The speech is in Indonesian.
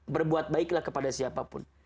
berbuat baiklah kepada siapapun